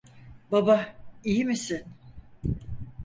Baba, iyi misin?